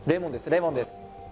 レモンです